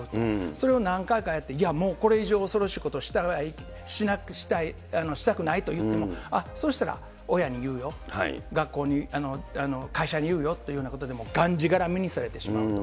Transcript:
それを何回かやって、いやもう、これ以上、恐ろしいことしたくないと言っても、そしたら親に言うよ、学校に、会社に言うよというようなことでもうがんじがらめにされてしまうと。